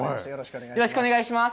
例えば、よろしくお願いします